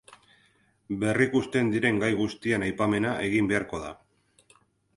Berrikusten diren gai guztien aipamena egin beharko da.